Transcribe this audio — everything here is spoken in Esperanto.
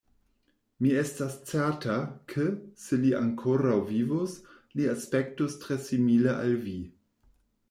Mi estas certa, ke, se li ankoraŭ vivus, li aspektus tre simile al vi.